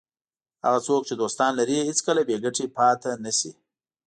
هغه څوک چې دوستان لري هېڅکله بې ګټې پاتې نه شي.